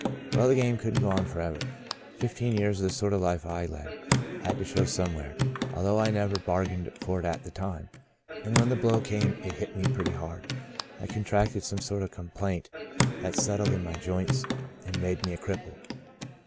Well, the game couldn't go on forever. Fifteen years of the sort of life that I led had to show somewhere, although I never bar gained for it at the time ; and when the blow came it hit me pretty hard. I contracted some sort of complaint that settled in my joints and made me a cripple.